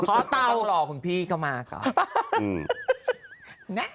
ต้องหลอกของพี่ก็มาก่อน